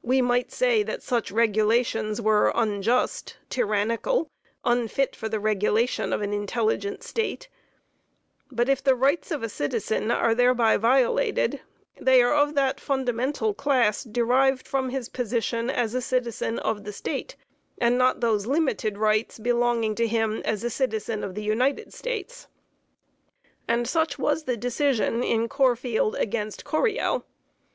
We might say that such regulations were unjust, tyrannical, unfit for the regulation of an intelligent State; but if rights of a citizen are thereby violated, they are of that fundamental class derived from his position as a citizen of the State, and not those limited rights belonging to him as a citizen of the United States, and such was the decision in Corfield agt. Coryell. (Supra.)